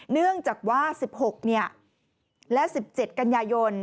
เนื่องจากว่า๑๖และ๑๗กันยายน